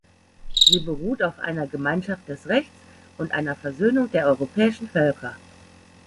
Sie beruht auf einer Gemeinschaft des Rechts und einer Versöhnung der europäischen Völker.